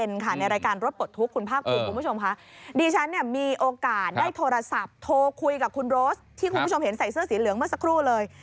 ในรายการรถปลดทุกข์คุณภาคภูมิคุณผู้ชมค่ะดิฉันเนี่ยมีโอกาสได้โทรศัพท์โทรคุยกับคุณโรสที่คุณผู้ชมเห็นใส่เสื้อสีเหลืองเมื่อสักครู่เลย